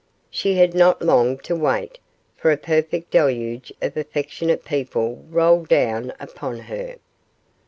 She had not long to wait, for a perfect deluge of affectionate people rolled down upon her.